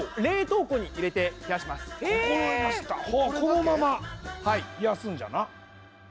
このまま冷やすんじゃな。